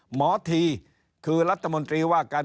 หมอทีคือรัฐมนตรีว่าการ